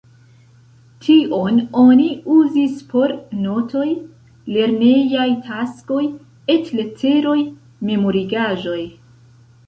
Tion oni uzis por notoj, lernejaj taskoj, et-leteroj, memorigaĵoj.